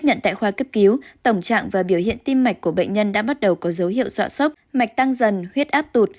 nhận tại khoa cấp cứu tổng trạng và biểu hiện tim mạch của bệnh nhân đã bắt đầu có dấu hiệu dọa sốc mạch tăng dần huyết áp tụt